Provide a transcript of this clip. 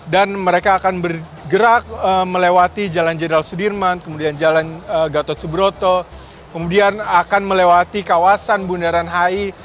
dan mereka akan bergerak melewati jalan jenderal sudirman kemudian jalan gatot subroto kemudian akan melewati kawasan bundaran hai